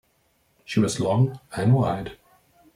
She was long and wide.